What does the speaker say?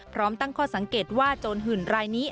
ตั้งข้อสังเกตว่าโจรหื่นรายนี้